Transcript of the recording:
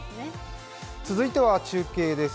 続いては中継です。